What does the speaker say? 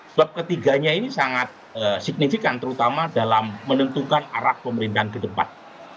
sebab ketiganya ini sangat signifikan terutama dalam menentukan arah pemerintahan ke depan